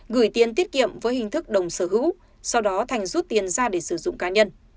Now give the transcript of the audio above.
gửi tiền tiết kiệm với hình thức đồng sở hữu sau đó thành rút tiền ra để sử dụng cá nhân